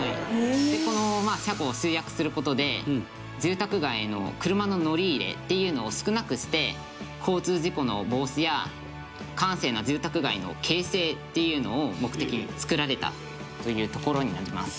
この車庫を集約する事で住宅街の車の乗り入れっていうのを少なくして交通事故の防止や閑静な住宅街の形成っていうのを目的に作られたという所になります。